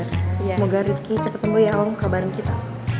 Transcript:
semoga rifki cek kesembuh ya om kabarin kita